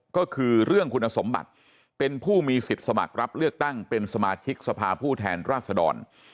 ก็คือเรื่องคุณสมบัติเป็นผู้มีสิทธิ์สมัครรับเลือกตั้งเป็นสมาชิกสภาผู้แทนราชดร